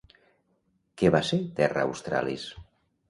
Què va ser Terra Australis?